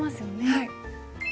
はい。